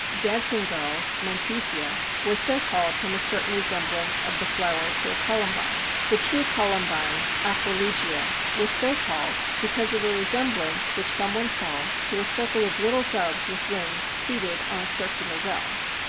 Dancing girls (Mantisia) was so called from a certain resemblance of the flower to a columbine. The true Columbine (Aquilegia) was so called because of a resemblance which some one saw to a circle of little doves with wings seated on a circular well.